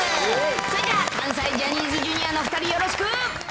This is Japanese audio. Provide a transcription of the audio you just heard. それじゃあ、関西ジャニーズＪｒ．の２人、よろしく。